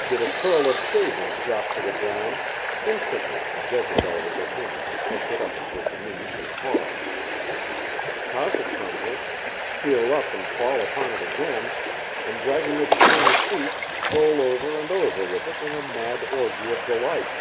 Did a curl of shavings drop to the ground, instantly Jezebel was at hand to catch it up in her diminutive paws; toss it from her; steal up and fall upon it again; and dragging it between her feet, roll over and over with it in a mad orgy of delight.